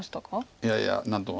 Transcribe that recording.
いやいや何とも。